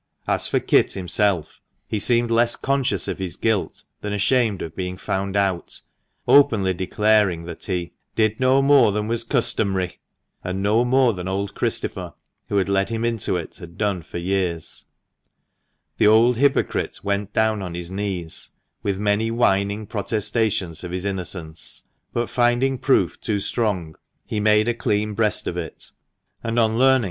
As for Kit himself, he seemed less conscious of his guilt than ashamed of being found out, openly declaring that he "did no more than was customary" and no more than old Christopher, who had led him into it, had done for years. That old hypocrite went down on his knees with many whining protestations of his innocence; but, finding proof too strong, he made a clean breast of it, and on learning that, JOSEPH NADIN From a Print in the Chetha.ui Library.